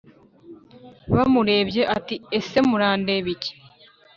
bamurebye ati:ese murandeba iki;